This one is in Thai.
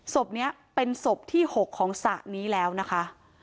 ซบนี้เป็นที่๖ของศรัตน์นี้แล้วนะคะ